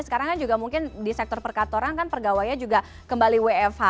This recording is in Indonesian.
sekarang kan juga mungkin di sektor perkatoran kan pegawainya juga kembali wfh